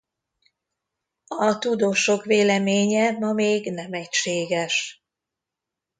A tudósok véleménye ma még nem egységes.